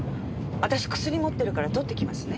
私薬持ってるから取ってきますね。